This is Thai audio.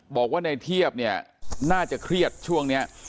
บอกว่าในเทียบเนี่ยน่าจะเครียดช่วงนี้